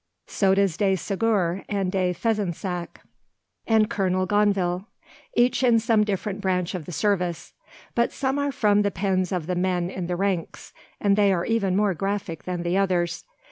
So does De Segur and De Fezensac and Colonel Gonville, each in some different branch of the service. But some are from the pens of the men in the ranks, and they are even more graphic than the others.